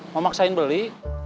mau maksain beli